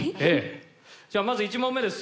じゃあまず１問目です。